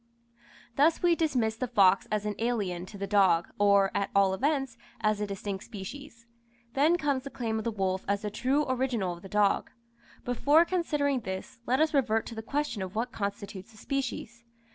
Thus we dismiss the fox as an alien to the dog, or, at all events, as a distinct species. Then comes the claim of the wolf as the true original of the dog. Before considering this, let us revert to the question of what constitutes a species.